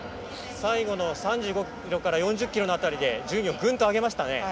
最後の３５ｋｍから４０ｋｍの辺りで順位をぐんと上げましたね。